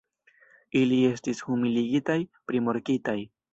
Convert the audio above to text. Ili estis humiligitaj, primokitaj.